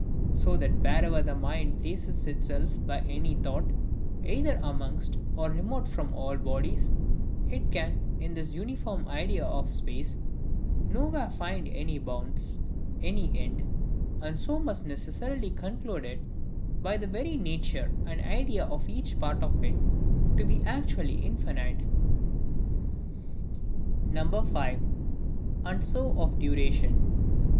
So that wherever the mind places itself by any thought, either amongst, or remote from all bodies, it can, in this uniform idea of space, nowhere find any bounds, any end; and so must necessarily conclude it, by the very nature and idea of each part of it, to be actually infinite. 5. And so of Duration.